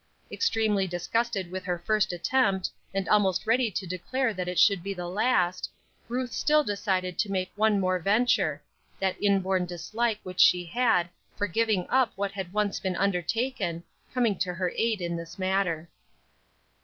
Extremely disgusted with her first attempt, and almost ready to declare that it should be the last, Ruth still decided to make one more venture that inborn dislike which she had for giving up what had once been undertaken, coming to her aid in this matter.